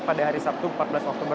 pada hari sabtu empat belas oktober